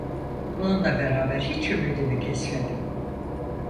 Bununla beraber hiç ümidimi kesmedim.